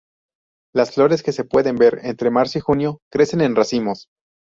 Las flores, que se pueden ver entre marzo y junio, crecen en racimos.